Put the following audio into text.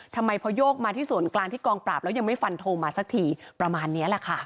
ทำไมพอโยกมาที่ส่วนกลางที่กองปราบแล้วยังไม่ฟันโทรมาสักทีประมาณนี้แหละค่ะ